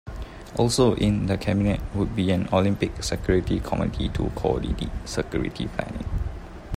Also in the Cabinet would be an Olympic Security Committee to co-ordinate security planning.